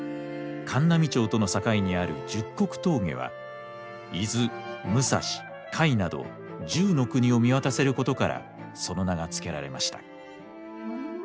函南町との境にある十国峠は伊豆武蔵甲斐など１０の国を見渡せることからその名が付けられました。